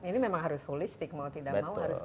ini memang harus holistik mau tidak mau harus